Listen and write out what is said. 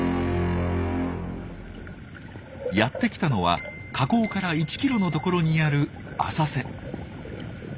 やって来たのは河口から１キロの所にある浅瀬。